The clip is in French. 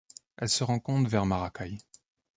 Elle se rencontre vers Maracay.